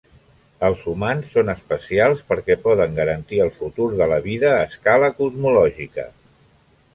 Els humans són especials perquè poden garantir el futur de la vida a escala cosmològica.